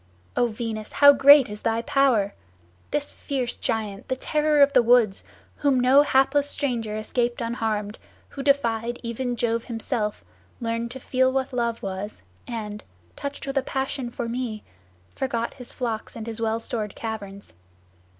O Venus, how great is thy power! this fierce giant, the terror of the woods, whom no hapless stranger escaped unharmed, who defied even Jove himself, learned to feel what love was, and, touched with a passion for me, forgot his flocks and his well stored caverns.